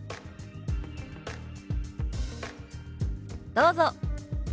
どうぞ。